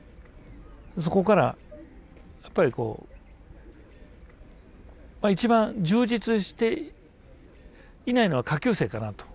そこからやっぱりこう一番充実していないのは下級生かなと。